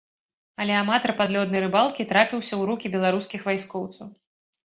Але аматар падлёднай рыбалкі трапіўся ў рукі беларускіх вайскоўцаў.